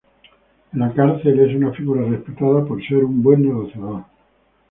En la cárcel es una figura respetada por ser un buen negociador.